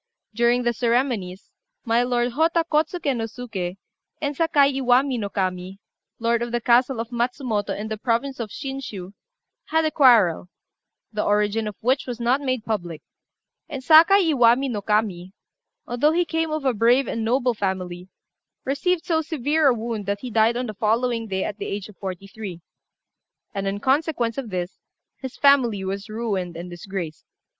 During the ceremonies, my lord Hotta Kôtsuké no Suké and Sakai Iwami no Kami, lord of the castle of Matsumoto, in the province of Shinshiu, had a quarrel, the origin of which was not made public; and Sakai Iwami no Kami, although he came of a brave and noble family, received so severe a wound that he died on the following day, at the age of forty three; and in consequence of this, his family was ruined and disgraced.